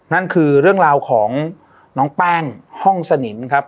นั่นคือเรื่องราวของน้องแป้งห้องสนิมครับ